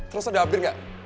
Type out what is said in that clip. terus ada update gak